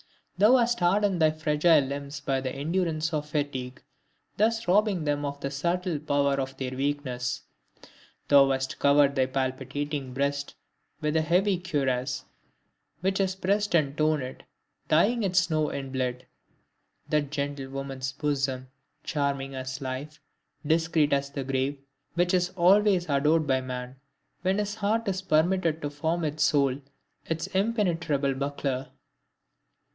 Thou hast hardened thy fragile limbs by the endurance of fatigue, thus robbing them of the subtle power of their weakness! Thou hast covered thy palpitating breast with a heavy cuirass, which has pressed and torn it, dyeing its snow in blood; that gentle woman's bosom, charming as life, discreet as the grave, which is always adored by man when his heart is permitted to form its sole, its impenetrable buckler!